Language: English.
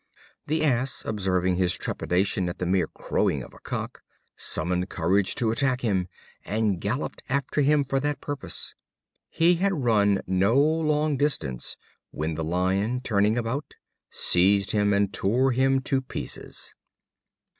The Ass, observing his trepidation at the mere crowing of a cock, summoned courage to attack him, and galloped after him for that purpose. He had run no long distance when the Lion, turning about, seized him and tore him to pieces.